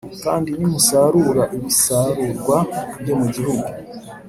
Kandi nimusarura ibisarurwa byo mu gihugu